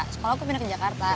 sekolah aku pindah ke jakarta